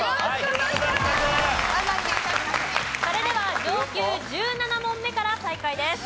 それでは上級１７問目から再開です。